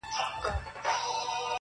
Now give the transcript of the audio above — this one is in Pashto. څه لاس تر منځ، څه غر تر منځ.